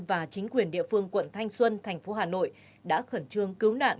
và chính quyền địa phương quận thanh xuân tp hà nội đã khẩn trương cứu nạn